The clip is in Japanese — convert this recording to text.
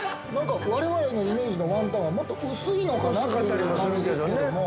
◆我々のイメージのワンタンはもっと薄いのかなという感じですけども。